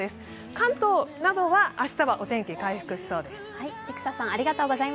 関東などは明日はお天気回復しそうです。